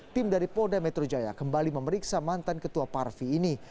tim dari polda metro jaya kembali memeriksa mantan ketua parvi ini